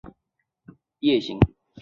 百鬼夜行。